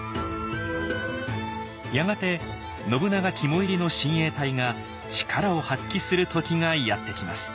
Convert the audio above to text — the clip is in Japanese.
やがて信長肝煎りの親衛隊が力を発揮する時がやって来ます。